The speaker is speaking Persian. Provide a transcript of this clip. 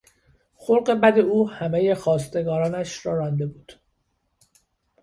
خلق بد او همهی خواستگارانش را رانده بود.